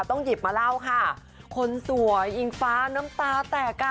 แต่ก้างไลท์สดค่ะ